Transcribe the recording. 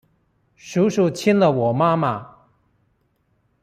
叔叔親了我媽媽